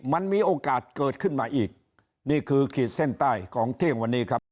มันมีโอกาสเกิดขึ้นมาอีกนี่คือขีดเส้นใต้ของเที่ยงวันนี้ครับ